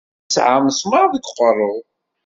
Isɛa amesmaṛ deg uqeṛṛu.